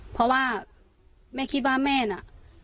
เพราะว่าแม่คิดว่าแม่น่ะ